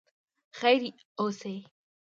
خیر اوسې.